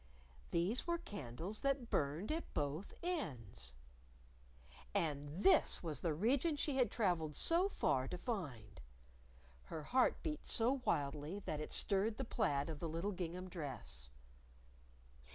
These were candles that burned at both ends. And this was the region she had traveled so far to find! Her heart beat so wildly that it stirred the plaid of the little gingham dress.